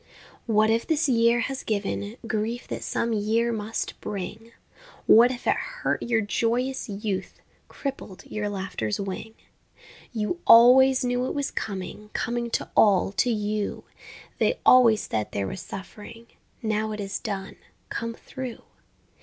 What if this year has given Grief that some year must bring, What if it hurt your joyous youth, Crippled your laughter's wing? You always knew it was coming, Coming to all, to you, They always said there was suffering Now it is done, come through.